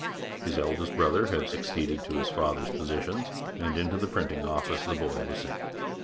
His eldest brother had succeeded to his father's positions, and into the printing office the boy was sent.